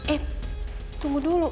eh tunggu dulu